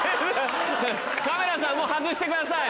カメラさんもう外してください